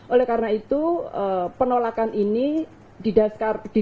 oleh karena itu penolakan ini